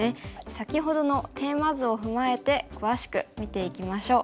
先ほどのテーマ図を踏まえて詳しく見ていきましょう。